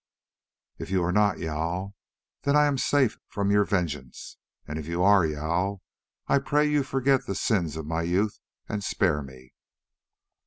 If you are not Jâl, then I am safe from your vengeance, and if you are Jâl I pray you forget the sins of my youth and spare me."